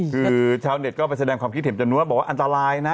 คือชาวเน็ตก็ไปแสดงความคิดเห็นจำนวนมากบอกว่าอันตรายนะ